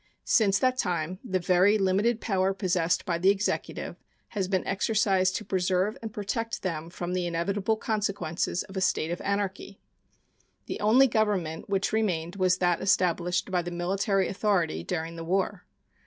Since that time the very limited power possessed by the Executive has been exercised to preserve and protect them from the inevitable consequences of a state of anarchy. The only government which remained was that established by the military authority during the war.